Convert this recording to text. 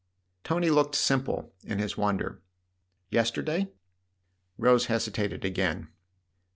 Tony looked simple in his wonder. "Yester day?" Rose hesitated again.